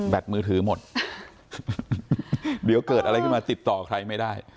มือถือหมดเดี๋ยวเกิดอะไรขึ้นมาติดต่อใครไม่ได้